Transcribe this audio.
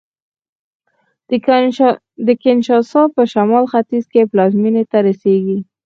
د کینشاسا په شمال ختیځ کې پلازمېنې ته رسېږي